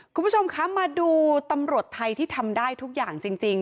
คุณผู้ชมคะมาดูตำรวจไทยที่ทำได้ทุกอย่างจริง